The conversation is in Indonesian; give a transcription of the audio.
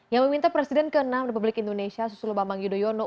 yang meminta presiden ke enam republik indonesia susilo bambang yudhoyono